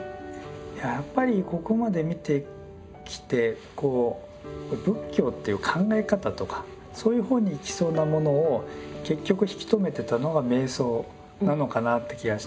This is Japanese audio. いややっぱりここまで見てきて仏教という考え方とかそういう方に行きそうなものを結局引き止めてたのが瞑想なのかなって気がして。